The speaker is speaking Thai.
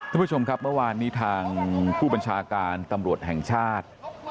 คุณผู้ชมครับเมื่อวานนี้ทางผู้บัญชาการตำรวจแห่งชาติ